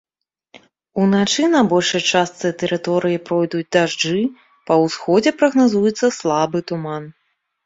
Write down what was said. Уначы на большай частцы тэрыторыі пройдуць дажджы, па ўсходзе прагназуецца слабы туман.